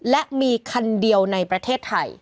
และมีคันเดียวในประเทศไทย